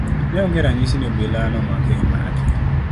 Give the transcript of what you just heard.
Ne onge ranyisi ni obila nomake e yo ma ratiro.